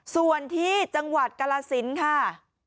ส่วนที่จังหวัดกาลสินค่ะ